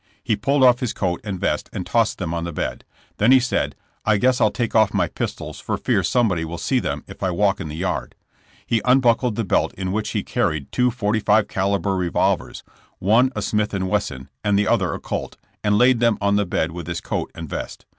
He pulled off his coat and vest and tossed them on the bed. Then he said, ''I guess I'll take off my pistols for fear somebody will see them if I walk in the yard." He unbuckled the belt in which he* carried two 45 calibre revolvers, one a Smith & Wesson and the other a Colt, and laid them on the bed with his coat and vest.